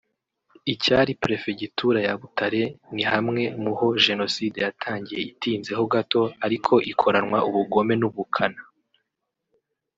Icyari Perefegitura ya Butare ni hamwe mu ho Jenoside yatangiye itinzeho gato ariko ikoranwa ubugome n’ubukana